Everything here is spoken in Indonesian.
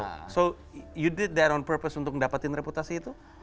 jadi lo melakukan itu secara berhasil untuk mendapatkan reputasi itu